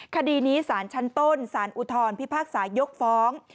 คดีนี้สารชั้นต้นสารอุทธรพิพากษายกฟ้อง